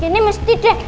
ini mesti deh